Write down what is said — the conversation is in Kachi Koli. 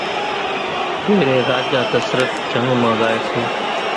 تيرين راجا ڌسترت جنگ مان زائي سي